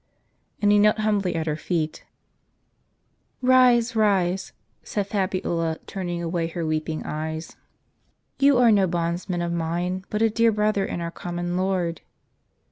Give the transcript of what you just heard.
And he knelt humbly at her feet. "Else, rise," said Fabiola, turning away her weeping eyes. " You are no bondsman of mine, but a dear brother in our common Lord."